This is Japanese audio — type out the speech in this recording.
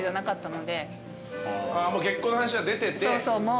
もう結婚の話は出ててある程度。